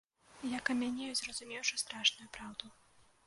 Я камянею, зразумеўшы страшную праўду.